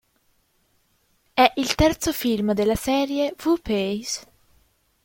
È il terzo film della serie "Who Pays?